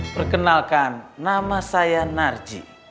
perkenalkan nama saya narji